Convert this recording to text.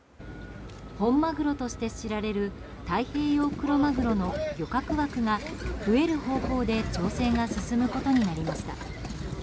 本マグロとして知られる太平洋クロマグロの漁獲枠が増える方向で調整が進むことになりました。